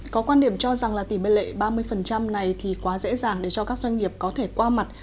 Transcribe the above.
có quan điểm cho rằng là tỷ lệ ba mươi này thì quá dễ dàng để cho các doanh nghiệp có thể qua mặt